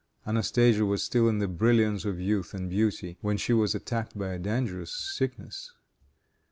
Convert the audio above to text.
Anastasia was still in the brilliance of youth and beauty, when she was attacked by dangerous sickness.